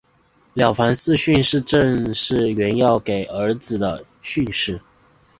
了凡四训正是袁要给儿子的训示。